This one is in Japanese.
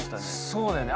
そうだよね。